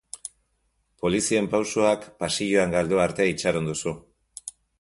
Polizien pausoak pasilloan galdu arte itxaron duzu.